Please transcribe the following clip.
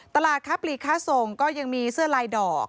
ตลาดค้าปลีกค้าส่งก็ยังมีเสื้อลายดอก